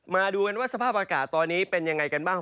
มาดูกันว่าสภาพอากาศตอนนี้เป็นยังไงกันบ้าง